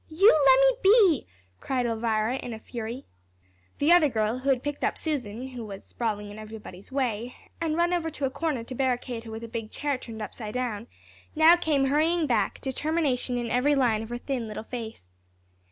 "You lemme be!" cried Elvira, in a fury. "No, we ain't a goin' to let you be," cried Jane. The other girl, who had picked up Susan, who was sprawling in everybody's way, and run over to a corner to barricade her with a big chair turned upside down, now came hurrying back, determination in every line of her thin little face.